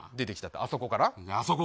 あそこから。